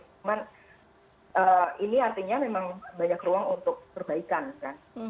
cuman ini artinya memang banyak ruang untuk perbaikan kan